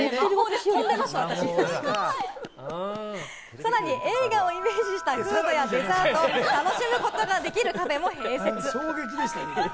さらに映画をイメージしたフードやデザートを楽しめることができるカフェも併設。